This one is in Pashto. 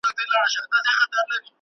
لاس دي رانه کړ اوبو چي ډوبولم ,